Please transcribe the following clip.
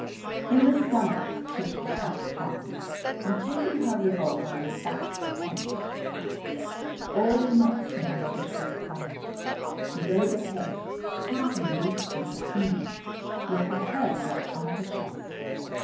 "In the stomach," Tish replied tartly, and taking her revolver went back to the tent. All the next day Tish was quiet. She rode ahead, hardly noticing the scenery, with her head dropped on her chest.